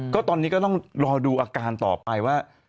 ก็ตอนนี้ก็ต้องรอดูอาการต่อไปว่า